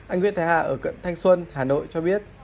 anh nguyễn thái hà ở quận thanh xuân hà nội cho biết